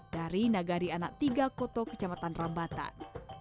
dari nagari anak tiga koto kecamatan rambatan